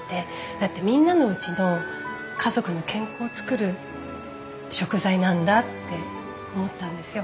だってみんなのおうちの家族の健康を作る食材なんだって思ったんですよ。